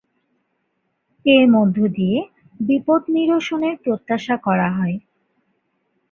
এর মধ্য দিয়ে বিপদ নিরসনের প্রত্যাশা করা হয়।